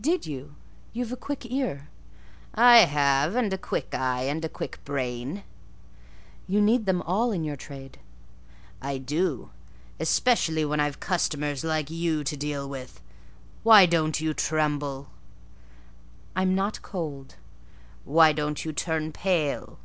"Did you? You've a quick ear." "I have; and a quick eye and a quick brain." "You need them all in your trade." "I do; especially when I've customers like you to deal with. Why don't you tremble?" "I'm not cold." "Why don't you turn pale?"